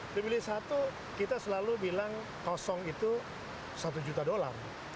pemilih satu kita selalu bilang kosong itu satu juta dolar